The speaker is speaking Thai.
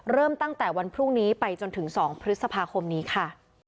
เริ่มตั้งแต่วันพรุ่งนี้ไปจนถึง๒พฤษภาคมนี้ค่ะ